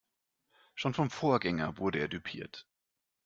Schon vom Vorgänger wurde er düpiert.